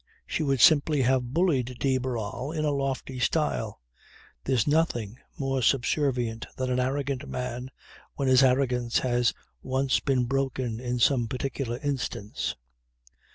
She would simply have bullied de Barral in a lofty style. There's nothing more subservient than an arrogant man when his arrogance has once been broken in some particular instance.